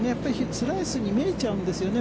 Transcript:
スライスに見えちゃうんですよね